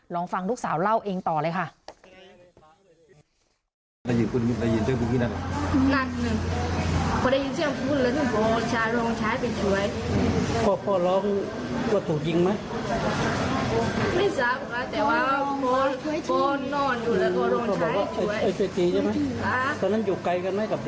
ลองฟังลูกสาวเล่าเองต่อเลยค่ะ